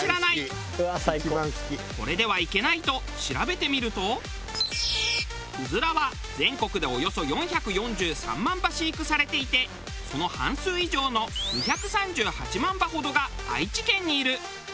これではいけないとうずらは全国でおよそ４４３万羽飼育されていてその半数以上の２３８万羽ほどが愛知県にいる。